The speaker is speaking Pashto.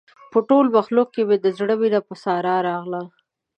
په ټول مخلوق کې مې د زړه مینه په ساره راغلې ده.